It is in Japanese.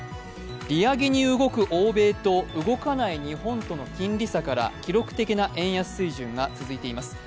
利上げに動く欧米と動かない日本との金利差から記録的な円安水準が続いています。